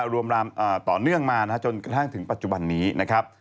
ต่อเนื่องมาจนกระทั่งถึงปัจจุบันนี้นะครับ